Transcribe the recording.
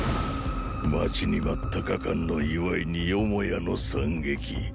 待ちに待った加冠の祝いによもやの惨劇。